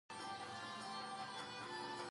افغانستان کې د کلي د پرمختګ هڅې روانې دي.